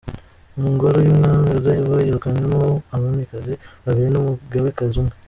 Ingoro y’Umwami Rudahigwa yirukanywemo abamikazi babiri n’umugabekazi umwe